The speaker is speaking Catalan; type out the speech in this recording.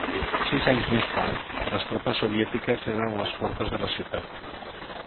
Sis anys més tard, les tropes soviètiques eren a les portes de la ciutat.